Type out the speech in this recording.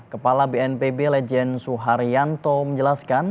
kepala bnpb lejen suharyanto menjelaskan